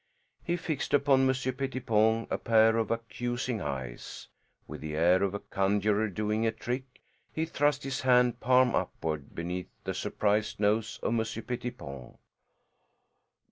He fixed upon Monsieur Pettipon a pair of accusing eyes. With the air of a conjurer doing a trick he thrust his hand, palm upward, beneath the surprised nose of Monsieur Pettipon.